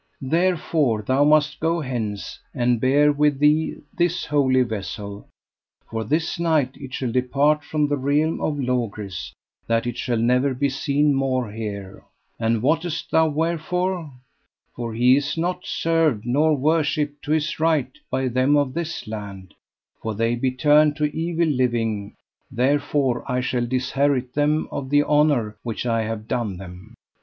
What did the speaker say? Therefore thou must go hence and bear with thee this Holy Vessel; for this night it shall depart from the realm of Logris, that it shall never be seen more here. And wottest thou wherefore? For he is not served nor worshipped to his right by them of this land, for they be turned to evil living; therefore I shall disherit them of the honour which I have done them.